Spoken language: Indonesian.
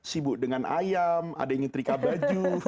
sibuk dengan ayam ada yang nyetrika baju